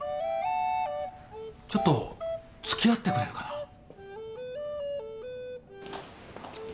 ちょっとつきあってくれるかな？